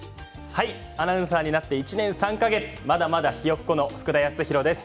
アナウンサーになって１年３か月まだまだひよっこの福田裕大です。